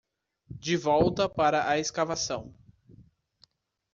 de volta para a escavação.